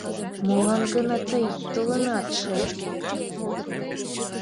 Молан гына тый толынатше?